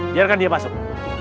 biarkan dia masuk